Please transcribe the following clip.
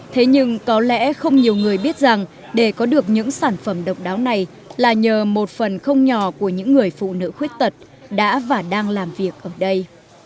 thế nhưng có lẽ không nhiều người biết rằng để có được những sản phẩm độc đáo này là nhờ một phần không nhỏ của những người phụ nữ khuyết tật đã và đang làm việc ở đây